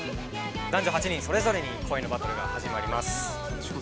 男女８人それぞれに恋のバトルが始まります。